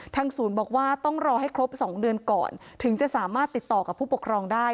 ศูนย์บอกว่าต้องรอให้ครบ๒เดือนก่อนถึงจะสามารถติดต่อกับผู้ปกครองได้